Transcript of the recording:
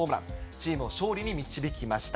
チームを勝利に導きました。